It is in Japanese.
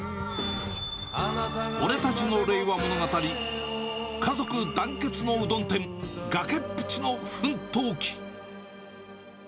俺たちの令和物語、家族団結のうどん店、崖っぷちの奮闘記。